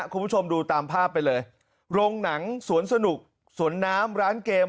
คุณผู้ชมดูตามภาพไปเลยโรงหนังสวนสนุกสวนน้ำร้านเกม